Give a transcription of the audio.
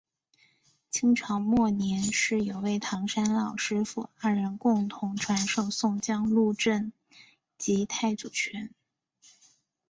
清朝末年是有位唐山老师父二人共同传授宋江鹿阵及太祖拳。